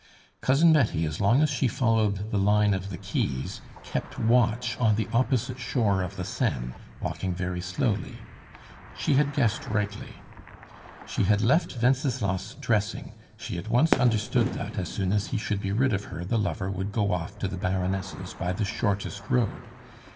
Cousin Betty, as long as she followed the line of the quays, kept watch on the opposite shore of the Seine, walking very slowly. She had guessed rightly. She had left Wenceslas dressing; she at once understood that, as soon as he should be rid of her, the lover would go off to the Baroness' by the shortest road.